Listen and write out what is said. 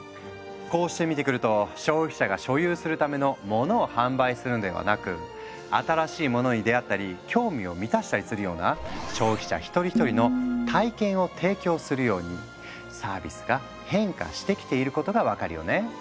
こうして見てくると消費者が所有するための「モノ」を販売するんではなく新しいものに出会ったり興味を満たしたりするような消費者一人一人の「体験」を提供するようにサービスが変化してきていることが分かるよね。